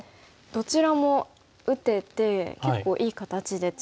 どちらも打てて結構いい形で強いですよね。